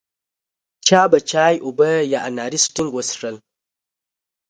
چا به چای، اوبه یا اناري سټینګ وڅښل.